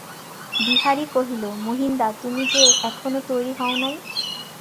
বিহারী কহিল, মহিনদা, তুমি যে এখনো তৈরি হও নাই?